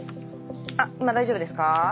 今大丈夫ですか？